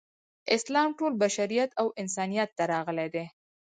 اسلام ټول بشریت او انسانیت ته راغلی دی.